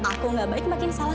aku gak baik makin salah